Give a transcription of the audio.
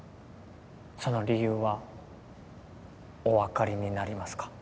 その理由はおわかりになりますか？